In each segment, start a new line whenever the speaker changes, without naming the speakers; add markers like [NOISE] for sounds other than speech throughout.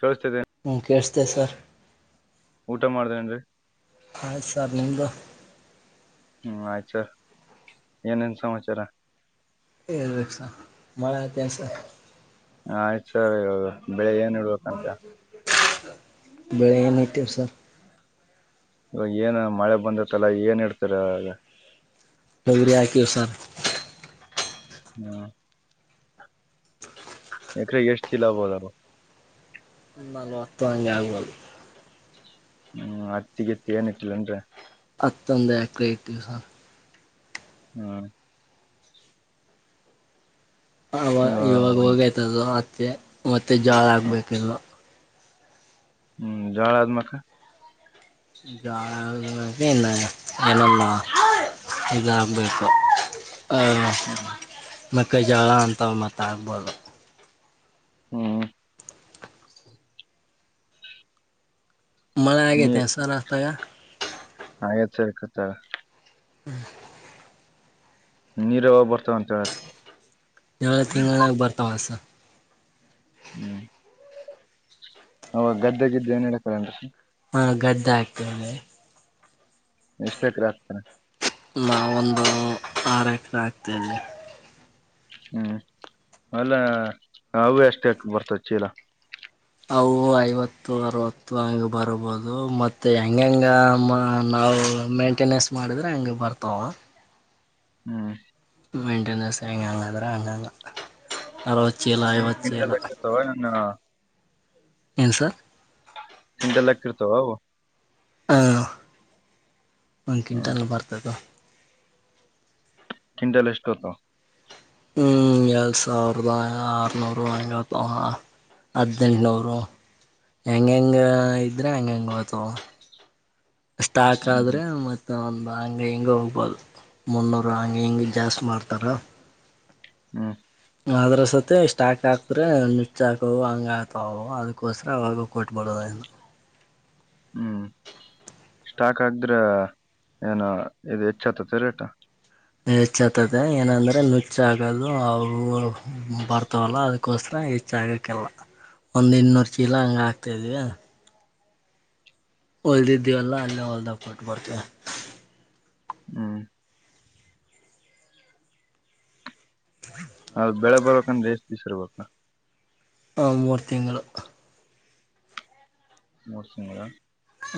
ಕೇಳಿಸ್ತಿದೆ
ಹ್ಮ ಕಸ್ತೆ ಸರ್
ಊಟ ಮಾಡ್ದೇೇನ್ರಿ
ಅಯ ಸರ್ಲಿಮಂದು
ಹ್ಮ್ ಆಯ್ ಸರ್ ಏನೇನ್ ಸಮಾಚಾರ
ಏ ವಕ್ಷ ಮಳೆತ್ಯಸ
ಆಯ್ತು
ಅ
ಸರ್ ಇವಾಗ ಬೆಳೆ ಏನ್ ಇಡ್ಬೇಕಂತ
ಬೆಳೆ ಏನಾಯ್ತೀವಿ ಸರ್
ಇವಾಗ ಏನ್ ಮಳೆ ಬಂದತ್ತಲ ಏನ್ ಇಡ್ತರಗ
ಚಗರಿ ಹಾಕಿವು ಸರ್
ಹ್ಮ ಎಕರೆ ಎಷ್ಟ ಚಿಲ್ಲಬೋಲಬ
ಲ್ ಹೊತ್ತು ಹಂಗೆ ಆಗ್ಬದು
ಹ್ಮ್ ಅತ್ತಿಗೆತ್ತ ನ್ ಇಟ್ಟಿಲ್ಲನ್ರ
ಹತ್ತಂದ ಎಕಲ ದಿವಸ
ಹ್ಮ್
ಅವ ಇವಾಗ
ಹ್ಮ್
ಹೋಗಯ್ತದ ಮತ್ತೆ ಮತ್ತೆ ಜಳ ಆಗ್ಬೇಕಿಲ್ಲ
ಹ್ಮ್ ಜಾಳ ಆದ್ಮಕ್ಕ
ಏನೊಲ್ಲ ಈಗಂಬಯಕ
ಹ್ಮ್
ಮಕ್ಕಜಳ ಅಂತ ಮಾತ್ತಾಬೋದು
ಹ್ಮ್
ಮಳೆ ಆಗೇತೆ ಸರ್ ತಾಗ
ಆತ್ ಆಕತ್ತ
ಹ್ಮ್
ನೀರವ ಬರ್ತವಂತದು
ಏಳ ತಿಂಗಳನಾಗ ಬರ್ತಾವಸ
ಹ್ಮ್ ಅವಾಗ ಗದ್ದೆಾಗ್ದೇ ಏನ್ ಹೇಳಡಕ
ಹಾ ಗದ್ದ ಹಾಗ್ತನೆ
ಮಷ್ಟ್ಟೇಕ್ ರಗ್ತಾರೆ
ನಾವೊಂದು ಆರು ಎಕರೆ ಆಗ್ತೇವಿ
ಹ್ಮ್ ಅಲ್ಲ ಅವು ಅಷ್ಟ ಬರ್ತವ ಚೀಲ
ಅವು ಐವತ್ತು ಅರವತ್ತು ಹಗೆ ಬರ್ಬೋದು ಮತ್ತುತ್ತೆ ಹೆಂಗಂಗ ನಾವು ಮೇಂಟೆನೆನ್ಸ್ ಮಾಡಿದ್ರೆ ಹಂಗ ಬರ್ತಾವ
ಹ್ಮ
ಮೈಂಟೆನೆನ್ಸ್ ಹೆಂಗೆ ಹಂಗಾದ್ರೆ ಹಂಗಂಗ ಅರ ವಚ್ಚ ಇಲ್ಲ ಐವಚ್ಚ
ಕ್ವಿಂಟಲ್
ಇಲ್ಲ
ಲೆಕ್ಕ ಇರ್ತಾವ ಏನ್
ಏನು ಸರ್
ಿಂಡಲೃತ
ಹಾ ನಕಿ
ಹ್ಮ್
ತಲ ಬಾರತದು
ಕಿಟ ಲ ಎಷ್ಟುತ
ಹ್ಮ್ ಎಳ್ ಸಾವಿರದ ಅರನೂರು ಐವತ್ತು ಅದಿನಲ್ಲಿ ನವರು ಹೆಂಗ ಹೆಂಗ ಇದ್ರೆ ಹಂಗ ಹೆಂಗ ಹತವ ಸ್ಟಾಕ್
ಹ್ಮ್
ಆದ್ರೆ ಮತ್ತ ಒಂದು ಹಂಗೆ ಹಿಂಗೆ ಹೋಗ್ಬೋದು ಮುನ್ನೂರು ಹಂಗೆ ಹಿಂಗೆ ಜಾಸ್ತಿ ಮಾಡ್ತಾರ
ಹ್ಮ
ಅದ್ರ ಸ ಸ್ಟಾಕ್ ಹಾಕ್ದ್ರೆ ನಚ್ಚ ಹಾಕವು ಹಂಗ ಆತವು ಅದಕ್ಕೋಸ್ರ ಅವಾಗ ಕೊಟ್ಬಡೋದ ಹನ್ನು
ಹ್ಮ್ ಸ್ಟಾಕ್ ಆಗ್ರೆ ಏನು ಇದು ಹೆಚ್ಚತತಿ ರೇಟ್
ಹೆಚ್ಚ ಆತದೆ ಏನಂದ್ರೆ ನುಚ್ಚ ಆಗದು ಅವು ಬರ್ತವಲ್ಲ ಅದಕೋಸ್ಕರ ಹೆಷ್ಟ ಆಗಕಲ್ಲ ಒಂದ್ ಇನ್ನೂರ್ ಚೀಲ ಹಂಗ ಹಾಕ್ತಾ ಇದ್ವಿ ಹೊಲ್ದಿದ್ದೀವಲ್ಲಾ ಅಲ್ಲೇ ಹೊಲ್ದಾಗ ಕೊಟ್ಬರ್ತೀವಿ
ಹ್ಮ್ ಅದು ಬೆಳೆ ಬರ್ಬೇಕಂದ್ರೆ ಎಷ್ಟ ಬೀಸಿರ್ಬೇಕು
ಆ ಮೂರ್ ತಿಂಗಳು
ಮೂರ್ಸಂಗ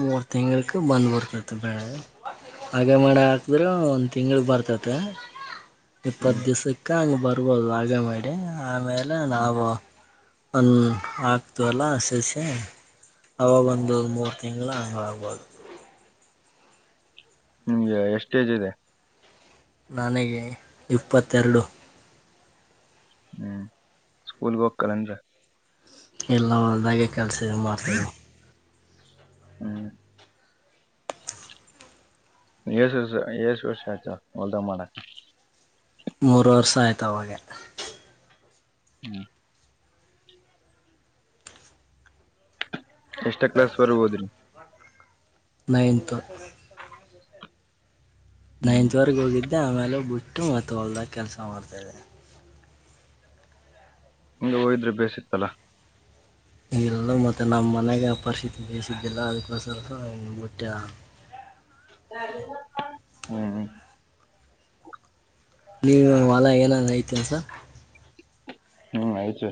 ಮೂರು ತಿಂಗಳ ಕ ಬಂದ್ ಬರ್ತದೆ ಬೆಳೆ ಹಾಗೆ ಮಾಡ ಹಾಕದ್ರರು ಒಂದ್ ತಿಂಗಳ ಬರ್ತತೆ ಇಪ್ಪತ್ತು
ಹ್ಮ್
ದಿವ್ಸಕ್ಕೆ ಹಂಗೆ ಬರ್ಬೋದು ಆಗ ಮಾಡಡಿ ಆಮೇಲೆ ನಾವು ಒನ್ ಹಾಕ್ತವಲ್ಲ ಸೇರಿಸೆ ಅವಾಗ ಒಂದು ಮೂರು ತಿಂ ಅಂಗಾಗಬೋದು
ನಿಮ್ಗೆ ಎಷ್ಟೇ ಯೆಜ್ ಇದೆ
ನನಗೆ ಇಪ್ಪತ್ತೆರಡು
ಹ್ಮ್ ಸ್ಕೂಲ್ಗೆ ಹೋಗ್ತಲ್ಲಂದ್ರ
ಎಲ್ಲ ಒದಾಗೆ ಕೆಲಸ ಇ ಮಾಡ್ತವಿ
ಹ್ಮ್ ಏಸು ವರ್ಷ ಏಷ್ಟ ವರ್ಷ ಆಯ್ತಾ ಹೊಲ್ದಾ ಮಾಡಕ
ಮೂರು ವರ್ಷ ಆಯ್ತ ಅವಾಗೆ
ಹ್ಮ್ ಎಷ್ಟ ಕ್ಲಾಸ್ ವರೆಗ ಹೋದ್ರಿ
ನೈನ್ತ್
ಹ್ಮ್
ನೈನ್ತ್ವರೆಗೆ ಹೋಗಿದ್ದೆ ಆಮೇಲೆ ಬಿಟ್ಟು ಮತ್ತೆ ಹೊಲ್ದಾಗ ಕೆಲಸ ಮಾಡ್ತಿದೆ
ಹಂಗಗೆ ಹೋಯದ್ರೆ ಬೇಯಸಿತ್ತಲಾ
ಇಲ್ಲ ಮತ್ತೆ ನಮ್ಮ್ ಮನೆಗೆ ಪರಿಸ್ಥಿತಿ ಬೇಯಿಸಿದ್ದಿಲ್ಲ ಅದಕ್ಕೋಸ್ಕರ ಮುಟ್ಟೆ
ಹ್ಮ್
ನೀವು ಹೊಲ ಏನಾಗ ಐತ ಸರ್
ಹ್ಮ್ ಆಯ್ತು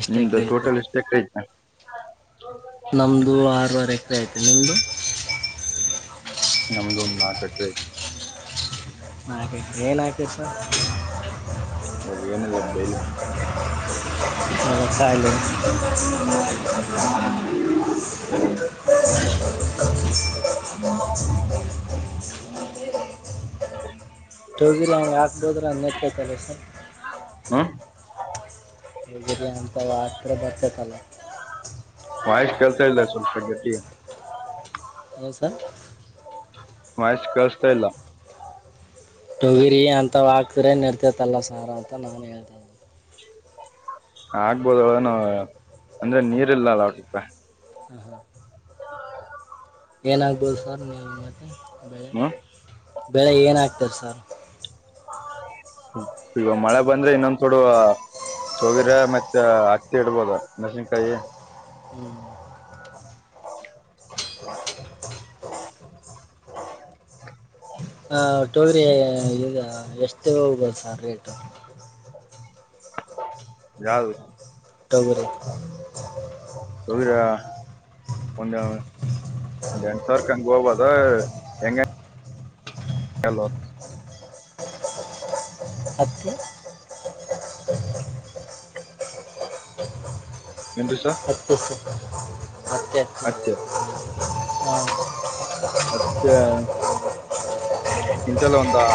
ಎಷ್ಟು
ನಿಮ್ದ
ಎಕರೆ ಐತೆ
ಟೋಟಲ್ ಎಷ್ಟೆಕ್ ಆಯತಾ
ನಮ್ದು ಆರವರೆ ಎಕರೆ ಐತೆ ನಿಮ್ದು
ನಮ್ಮದೊಂದು ನಾಕಟ
ಹಾಗಕೆ ಏನಕೀ ಸರ್
ಬಹವನ ಲಬಲ್ [UNINTELLIGIBLE]
ವಥ ಇಲ್ಲಿ [UNINTELLIGIBLE] [INAUDIBLE] ಹ [UNINTELLIGIBLE] ಟೂೋಗಿರಿ ಹೆಂಗೆ ಹಾಕ್ಬೋದ್ರೆ ಅನ್ನತೈತಲ್ಲ [UNINTELLIGIBLE]
ಹ್ಮ್
ಹಗರಿ ಅಂತ ಆತ್ರತ್ರ ಬರ್ಸತಲ್ಲ
ವಾಯ್ಸ್ ಕೆಲ್ಸ ಇಲ್ಲ ಸ್ವಲ್ಪ ಗತಿಯ
ಹ ಸರ್
ವಾಯ್ಸ್ ಕೇಳ್ಸತ್ತಯಿಲ್ಲ.
ಕರೆ ನಡ್ತತಲ್ಲ ಸಾರ ಅಂತ ನಾನ್ ಹೇಳ್ತ.
ಆಗ್ಬೋದ್ಯೋಳೆನು ಅಂದ್ರೆ ನೀರ್ಲಿಲ್ಲ ಸ್ವಲ್ಪ.
ಹ ಹಾ ಏನಾಗ್ಬೋದು ಸರ್ ನೀವು ಮತ್ತೆ ಬೆಳ
ಹ್ಮ್
ಬೆಳೆ ಏನ ಆಗ್ತಾರೆ ಸರ್
ಈಗ ಮಳೆ ಬಂದ್ರೆ ಇನ್ನೊಂದ ಡು ತಗಿರ ಮತ್ತೆ ಹತ್ತಿ ಇಡ್ಬೋದ ನ ಕ [UNINTELLIGIBLE]
ಹ್ಮ್
[INAUDIBLE] [INAUDIBLE]
ಹ ತೊಗರಿ ಇ ಎಷ್ಟು ಹೋಗಲ್ಲ ಸರ್ ರೇಟ ಹ [UNINTELLIGIBLE]
ಯಾರು
ಹಬರೆ [UNINTELLIGIBLE]
ಸೋಗ್ರ್ಯ ಒಂದು ಎಂಟ್ ಸಾವ್ರ ಕಂಗ್ ಹೋಗ್ಬೋದು ಹೆಂಗೆ. ಏಲೋ
ಅಕಿ [UNINTELLIGIBLE]
ಏನ್ರಿ ಸರ್
ಹತುಸ ಏ [UNINTELLIGIBLE]
ಅತ್ಯ ಮುಂಟ್ಯಲ್ಲ ಒಂತಾ.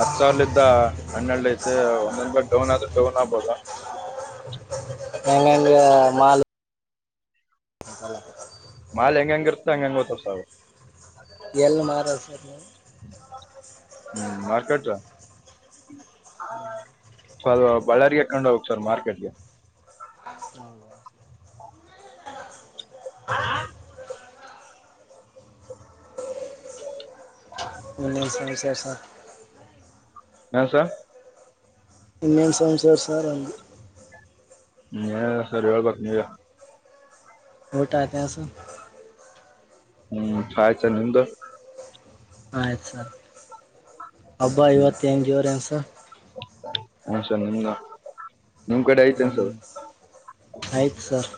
ಹತ್ ಸಾವ್ಲಿಂದ್ ಹನೆಲ್ಡ್ ಐತೆ ಒಂದೊಂದ್ ಬ ಡೌನ್ ಆದ್ರೆ ಡೌನ್ ಆಗ್ಬೊದು.
ಹೆಂಗೆಂಗ ಮಾಲ್
ಮಾಲ್ ಹೆಂಗ್ ಹೆಂಗ್ ಇರ್ತ ಹಂಗಂಗ್ ಹೋತಾ ಸಾಮಿ.
ಎಲ್ ಮಾರದು.
ಮಾರ್ಕೆಟ ಸಲ್ಲು ಬಳ್ಳಾರಿ ಕೆಂಡು ಹೋಗ್ಬೇಕು ಸರ್ ಮಾರ್ಕೆಟ್ಗೆ.
ಹೌದು,
ಹಾ
ಇನೇಮ್ ಸಮಸ್ಯೆ ಸ.
ನ ಸ
ಇನ್ನೇನ್ ಸಮಸ್ಯ ಸರ್ ಅಂದಿ.
ಇನ್ನೇನಿಲ್ಲ ಸರ್ ಹೇಳ್ಬೇಕ್ ನೀವೇ.
ಊಟ ಆತೆನ್ ಸರ್.
ಹ್ಮ್ ಸಾಯ್ತ ನಿಮ್ದು.
ಆಯ್ತು ಸರ್ ಹಬ್ಬ
ಹ್ಮ್
ಐವತ್ ಹೆಂಗ್ ಇವ್ರೆನ್ ಸರ್.
ಹನ್ಸರ್ ನಿಮ್ದ ನಿಮ್ ಕಡೆ ಐ್ತ
ಹ್ಞೂ
ಅನ್ಸದು.
ಆಯ್ತು ಸರ್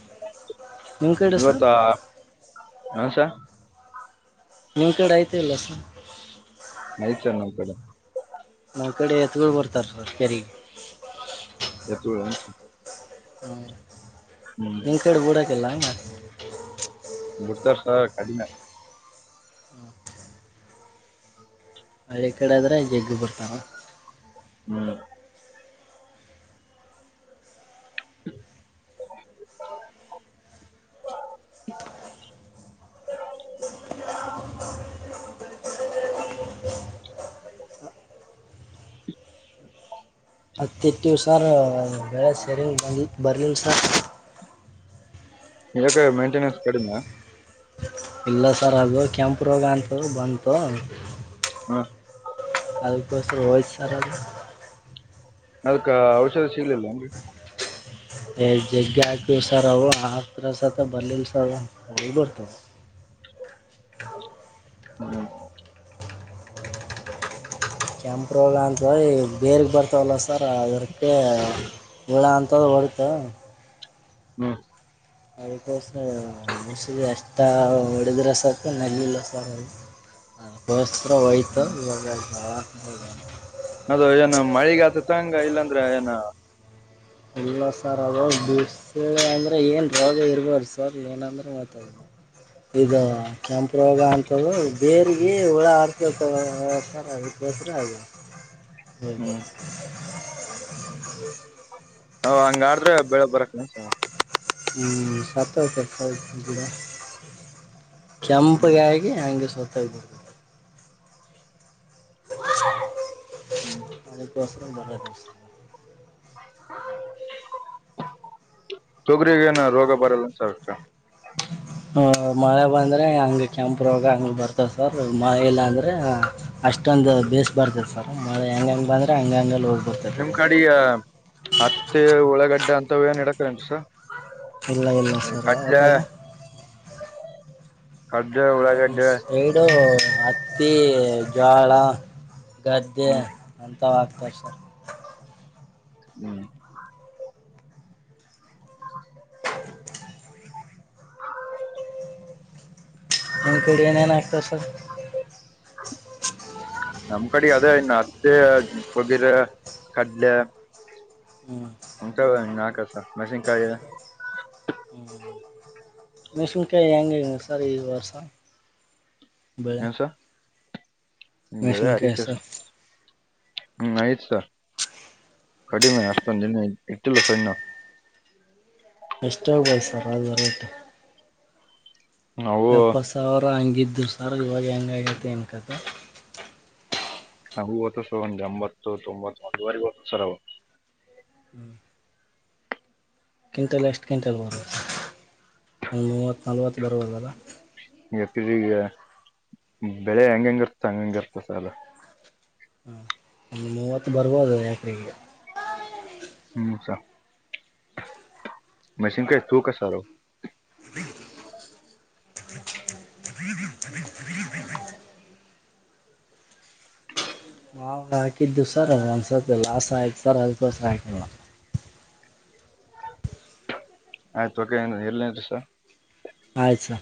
ನಿಮ್ಮ ಕಡೆ ಸರ್
ಇವತ್ತ ಹು ಸ.
ನಿಮ್ಕಡೆ ಐತಿ ಇಲ್ಲೋ ಸರ್.
ಐತೆನ್ ನಮ್ ಕಡೆ.
ನಮ್ ಕಡೆ ಎತ್ಗುಳ್ ಬರ್ತಾರ್ ಸರ್ ಕೆರಿಗೆ.
ಎತ್ಗುಳೆನ್
ನಿಂಕಡ್ ಬುಡಕಿಲ್ಲ ಹಂಗ್.
ಬುಡ್ತಾರ್ ಸರ್ ಕಡಿಮೆ.
ಹಳ್ಳಿ ಕಡೆ ಆದ್ರೆ ಜಗ್ಗ ಬುರ್ತವ.
ಹ್ಮ್
ಹತ್ತ ಇಟ್ಟೀವ್ ಸರ್ ಬೆಳೆ ಸೇರಿನ್ ಬಲ್ ಬರ್ಲಿಲ್ ಸರ್.
ಏಕೆ ಮೇಂಟೇನನ್ಸ್ ಕಡಿಮ್ಯ.
ಇಲ್ಲ ಸರ್ ಅದು ಕೆಂಪ್ ರೋಗ ಅಂತು ಬಂತು.
ಹ್ಮ್
ಅದಕ್ಕೋಸ್ಕರ ಹೋಯ್ತತರ್ ಅದು
ಅದಕ್ಕ ಔಷಧಿ ಶೀಲ್ ಇಲೆನ್ರಿ.
ಏ ಜಗ್ಗ ಹಾಕ್ವಿ ಸರ್ ಅವ್ರು ಆತ್ರ ಸತ್ತ ಬರ್ಲಿಲ್ ಸರ್ ಹೋಗ್ಬಡ್ತಾವ್ [UNINTELLIGIBLE]
ಔ [UNINTELLIGIBLE]
ಕೆಂಪ್ರೋಗ ಅಂತ್ಲ ಬೇರೆಗ್ ಬರ್ತಾವಲ್ಲ ಸರ್ ಅದ್ರಕ್ಕ. ಒಳ ಅಂತ್ದ ಹೊಡಿತ.
ಹ್ಮ
ಅದಿಕೋಸ ಮುಸಿಗೆ ಎಷ್ಟ ಹೊಡೆದ್ರೆ ಸರ್ಕ ನಲ್ಲಿಲ್ಲ ಸರ್. ಅದಕ್ಕೋಸ್ಕರ ಹಯ್ತ ಇ
ಅದು ಏನು ಮಳಗ ಆತ ತಂಗ ಇಲ್ಲಾಂದ್ರೆ ಏನ
ಇಲ್ಲ ಸರ್ ಅವದಾಗ ಬೀಡ್ಸ ಅಂದರೆ ಏನು ರೋಗ ಇರ್ಬಾರ್ರು ಸರ್ ಏನಂದ್ರರೆ ಮಾತಾಿಲ್ಲ ಇದು ಕೆಂಪು ರೋಗ ಅಂತ ಬೇರ್ಗ ಹುಳ ಆಡ್ತತ ಬಸ್ರ ಹಾಗ ಬ
ಹ್ಮ್ ಹ ಹಂಗಾಡ್ರೆ ಬೆಳೆ ಬರಕ್
ಹ ಸತ ಚಸಾಯ ಕುಡ ಕೆಂಪಗ ಆಾಗಿಿ ಹಂಗಗೆ ಸ್ವತಡ್
ಹ್ಮ್
ಅ ಪಾಸ ಬಳ
ತಗ್ರಗ ಏನ ರೋಗ ಬರಲ್ಲಸ
ಹ ಮಳೆ ಬಂದ್ರೆ ಹಂಗ ಕೆ್ಯಾಂಪ ರೋಗ ಅಂಗ್ ಬರ್ತಾವ ಸರ್ ಮಳೆ ಇಲ್ಲ ಅಂದ್ರೆ ಅಷ್ಟೊಂದು ಬೇಸ್ ಬರ್ತದೆ ಸರ್ ಮಳೆ ಹೆಂಗ ಬಂದ್ರೆ ಹಂಗ ಹಂಗೋಗ
ನಿಮ್ ಕಡ ಹತ್ತೆ ಉಳ್ಳಗಡ್ಡೆ ಅಂತ ಏನ್ ಇಡಕೇನ್ಸ
ಎಲ್ಲ ಎಲ್ಲ ಸರ್ ಅಕಾಲ್
ಕಡ್ಲೆ
ನಮ್ಮ
ಉಳ್ಳಾಗಡ್ಡೆ
ಸೈಡು ಹತ್ತಿ ಜೋಳ ಗದ್ದೆ
ಹ್ಮ್
ಅಥವಗ್ತದೆ ಸರ್
ಹ್ಮ್ ಹ ಹು
ನಿಮ್ಮ ಕಡೆ ಏನೇನಾಗ್ತರ ಸರ್
ನಮ್ ಕಡೆ ಅದೇ ಅತ್ತಿ ತುಗರ ಕಡ್ಲೆ
ಹ್ಞೂ
ಹಂಟ ನಾ ಕಸ ಮೇಸನ್ ಕಾಯ
ಮೆಷನ್ಕಾಯಿ ಹೆಂಗ ಸರ್ ಈ ವರ್ಷ ಬೆಳಿ
್ಮ ಬೆಳೆ ಆಯತಸ ಹ್ಮ್ ಆಯ್ತ್ ಸ ಕಡಿಮೆ ಅಷ್ಟತ ನಿಿನ ಇಟ್ಟಲ ಸೊನ್ನ
ಎಷ್ಟಗ್್ಬಯ ಸರ್ ಅ ರೇಟ
ನಾವು
ಎಪ್ಪ ಸಾವಿರ ಹಂಗಿದ್ದು ಸರ್ ಇವಾಗ ಹೆಂಗಗೈತಿ ನ್ಕತ
ಹ ಹತ್ತು ಸರ ಅಂಬತ್ತು ತೊಂಬತ್ತು ಅಂದವಾರಿವತ್ತು ಸರವ
ಹ್ಮ್ ಕ್ವಿಂಟಲ್ ಎಷ್ಟು ಕ್ವಿಂಟಲ್ ಬರುತ್ತ ಒಂದು ಮೂವತ್ತು ನಲ್ವತ್ತು ಬರಬರ ದಾ
ಎಕರೆಗೆ ಬೆಳೆ ಹೆಂಗಂಗಿರ್ತ ಹಂಗಂಗಿರ್ತ ಸಾಲ
ಹಾಂ ಒಂದು ಮೂವತ್ತು ಬರ್ಬೋದು ಯಾಕ್ರಗೆ
ಮಶೀನ್ ಕೈ ತು ಕ ಸಾರು
ಹ ತ [INAUDIBLE] [UNINTELLIGIBLE] ಮಾವು ಹಾಕಿದ್ದು ಸರ್ ಒಂದಸಲ್ ಲಾಸ ಆಯ್ತು ಸರ್ ಅದಕ್ಕೋಸ್ಕರ ಹಾಕಲ್ಲ [UNINTELLIGIBLE]
ಆಯ್ತು ಓಕೆಏ ಎಲ್ನ್ರ
ಆಯ್ತು ಸರ್